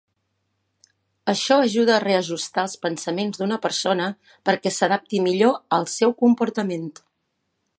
Això ajuda a reajustar els pensaments d'una persona perquè s'adapti millor al seu comportament.